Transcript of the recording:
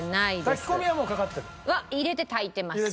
炊き込みはもうかかってる？は入れて炊いてます。